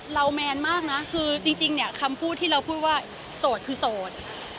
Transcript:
แมนมากนะคือจริงเนี่ยคำพูดที่เราพูดว่าโสดคือโสด